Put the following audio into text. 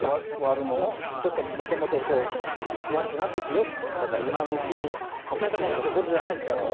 ちょっともともとこう、悪くなってくよ、だから今のうちに押さえておこうっていうことじゃないですけども。